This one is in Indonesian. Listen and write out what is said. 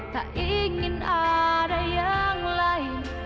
tak ingin ada yang lain